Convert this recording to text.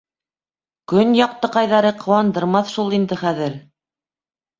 Көн яҡтыҡайҙары ҡыуандырмаҫ шул инде хәҙер...